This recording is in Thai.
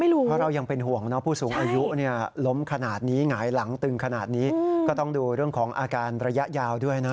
คุณพูดหมดไปชด